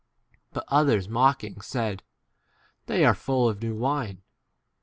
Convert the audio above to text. But others mocking, w said, They are 14 full of new wine.